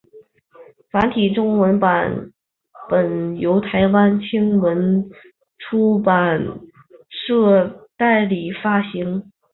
繁体中文版本由台湾青文出版社代理发行。